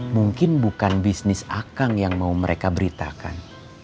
mungkin bukan bisnis akang yang mau mereka beritakan